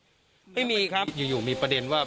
ปู่มหาหมุนีบอกว่าตัวเองอสูญที่นี้ไม่เป็นไรหรอก